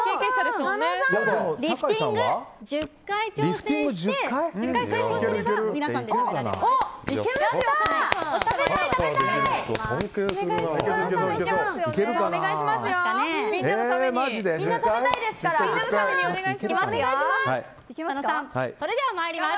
リフティング１０回挑戦して１０回成功すれば皆さんで食べられます。